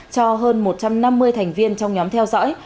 cho hơn một trăm năm mươi thành viên trong nhóm theo dõi